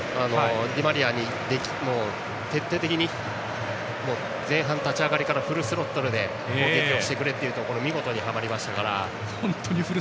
ディマリアには徹底的に前半の立ち上がりからフルスロットルで攻撃をしてくれというところが見事にはまりましたから。